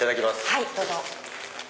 はいどうぞ。